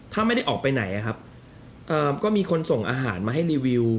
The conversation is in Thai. ถ้าไม่ได้ออกไปไหนครับก็มีคนส่งอาหารมาให้รีวิว